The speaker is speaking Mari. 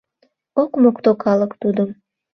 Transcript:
Ок мокто калык тудым.